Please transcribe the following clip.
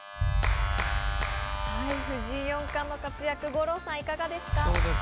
藤井四冠の活躍、五郎さん、いかがですか？